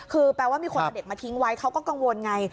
คือแปลว่ามีคนเอาเด็กมาทิ้งไว้เขาก็กังวลไง